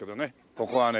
ここはね